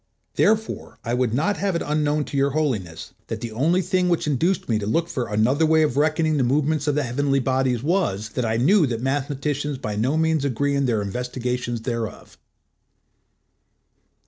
Therefore I would not have it unknown to Your Holiness, that the only thing which induced me to look for another way of reckoning the movements of the heavenly bodies was that I knew that mathematicians by no means agree in their investigations thereof.